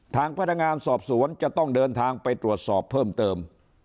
ทางพนักงานสอบสวนจะต้องเดินทางไปตรวจสอบเพิ่มเติม